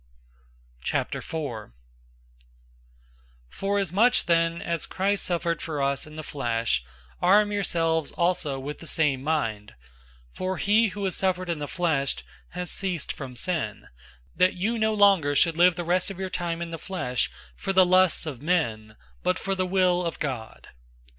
004:001 Forasmuch then as Christ suffered for us in the flesh, arm yourselves also with the same mind; for he who has suffered in the flesh has ceased from sin; 004:002 that you no longer should live the rest of your time in the flesh for the lusts of men, but for the will of God.